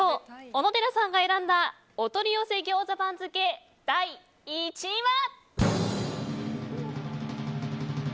小野寺さんが選んだお取り寄せギョーザ番付第１位は。